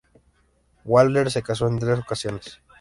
Waller se casó en tres ocasiones.